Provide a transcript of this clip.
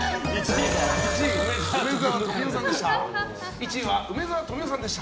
１位、梅沢富美男さんです。